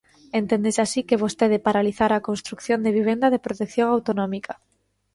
Enténdese así que vostede paralizara a construción de vivenda de protección autonómica.